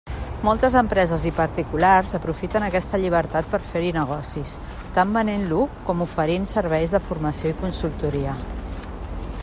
Moltes empreses i particulars aprofiten aquesta llibertat per fer-hi negocis, tant venent-lo com oferint serveis de formació i consultoria.